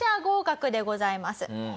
合格でございます。